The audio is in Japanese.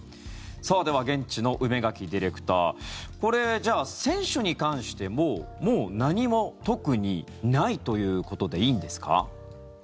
では、現地の梅垣ディレクターこれ、じゃあ選手に関してもう何も特にないということでいいんですか？